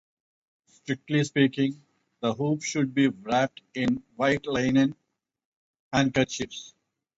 Strictly speaking, the hoop should be wrapped in white linen handkerchiefs.